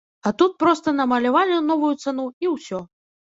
А тут проста намалявалі новую цану і ўсё.